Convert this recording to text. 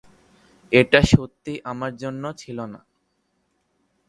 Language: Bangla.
এটা সত্যিই আমার জন্য ছিল না।